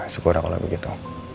syukur aku lagi gitu